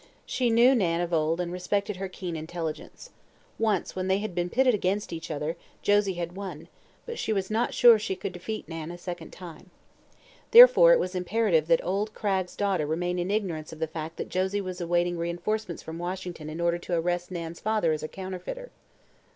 She knew Nan of old and respected her keen intelligence. Once, when they had been pitted against each other, Josie had won; but she was not sure she could defeat Nan a second time. Therefore it was imperative that old Cragg's daughter remain in ignorance of the fact that Josie was awaiting reinforcements from Washington in order to arrest Nan's father as a counterfeiter.